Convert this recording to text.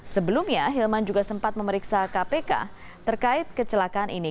sebelumnya hilman juga sempat memeriksa kpk terkait kecelakaan ini